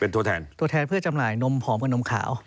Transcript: ตัวแทนตัวแทนเพื่อจำหน่ายนมผอมกับนมขาว